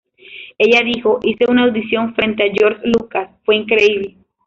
Ella dijo "hice una audición frente a George Lucas, fue increíble".